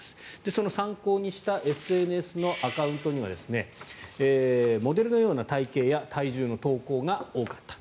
その参考にしたＳＮＳのアカウントにはモデルのような体形や体重の投稿が多かった。